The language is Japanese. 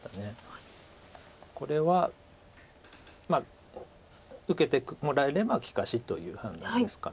これはまあ受けてもらえれば利かしという判断ですか。